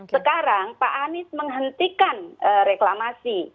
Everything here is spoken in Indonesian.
sekarang pak anies menghentikan reklamasi